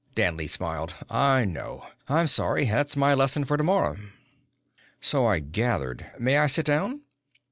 Danley smiled. "I know. I'm sorry. That's my lesson for tomorrow." "So I gathered. May I sit down?"